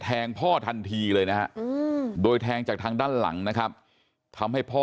พ่อทันทีเลยนะฮะโดยแทงจากทางด้านหลังนะครับทำให้พ่อ